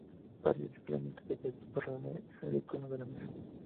Para ello simplemente debe dispararle al ícono de la misma.